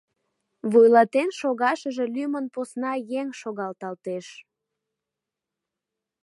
Вуйлатен шогашыже лӱмын посна еҥ шогалталтеш.